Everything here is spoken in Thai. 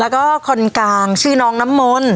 แล้วก็คนกลางชื่อน้องน้ำมนต์